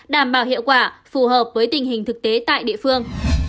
đảm bảo hiệu quả phù hợp với tình hình thực tế tại địa phương